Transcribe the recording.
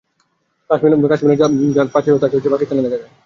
কাশ্মিরে যার পা পিছলে, তাকে সরাসরি পাকিস্তানে দেখা যায়।